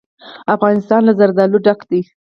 افغانستان له زردالو ډک دی.